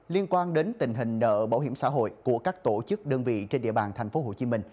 liên quan đến tình hình nợ bảo hiểm xã hội của các tổ chức đơn vị trên địa bàn tp hcm